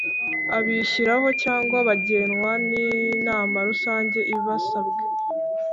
Abishyiraho cyangwa bagenwa n inamarusange ibasabwe